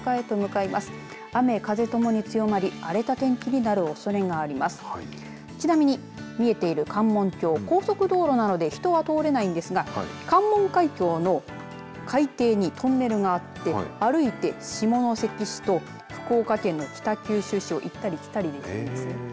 ちなみに、見えている関門橋高速道路なので人は通れないんですが関門海峡の海底にトンネルがあって歩いて下関市と福岡県の北九州市を行ったり来たりできるんです。